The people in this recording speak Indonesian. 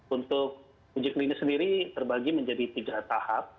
untuk uji klinis sendiri terbagi menjadi tiga tahap